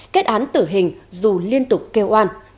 kết án tử hình dù liên tục kêu oan